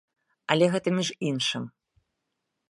Але гэта між іншым.